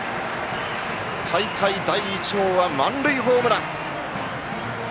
大会第１号は満塁ホームラン。